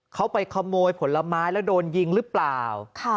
เขาไปขโมยผลไม้แล้วโดนยิงหรือเปล่า